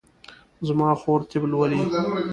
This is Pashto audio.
زما خور طب لولي